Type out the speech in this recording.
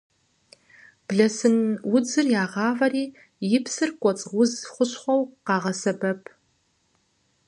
Блэсын удзыр ягъавэри и псыр кӏуэцӏ уз хущхъуэу къагъэсэбэп.